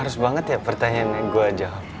harus banget ya pertanyaan yang gue jawab